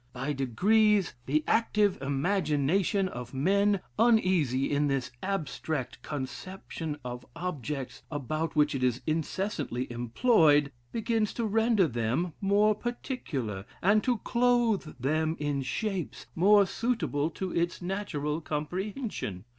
By degrees, the active imagination of men, uneasy in this abstract conception of objects, about which it is incessantly employed, begins to render them more particular, and to clothe them in shapes more suitable to its natural comprehension.